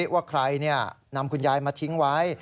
ว่าใครนำคุณยายมาทิ้งไว้